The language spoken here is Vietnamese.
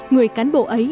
người cán bộ ấy